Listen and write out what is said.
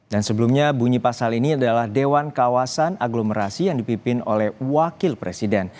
dan sebelumnya bunyi pasal ini adalah dewan kawasan aglomerasi yang dipimpin oleh wakil presiden